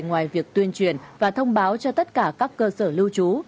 ngoài việc tuyên truyền và thông báo cho tất cả các cơ sở lưu trú